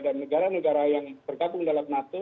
dan negara negara yang bergabung dalam nato